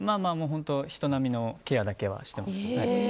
人並みのケアだけはしてます。